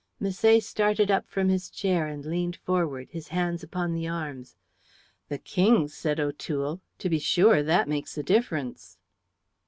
Misset started up from his chair and leaned forward, his hands upon the arms. "The King," said O'Toole; "to be sure, that makes a difference."